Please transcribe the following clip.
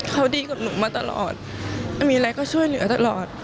เขาดีกับหนูมาตลอดมีอะไรก็ช่วยเหลือตลอด